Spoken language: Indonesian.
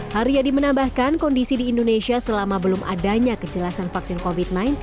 haryadi menambahkan kondisi di indonesia selama belum adanya kejelasan vaksin covid sembilan belas